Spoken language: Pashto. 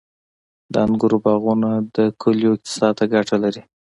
• د انګورو باغونه د کلیو اقتصاد ته ګټه لري.